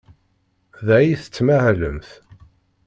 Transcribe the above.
Da ay tettmahalemt?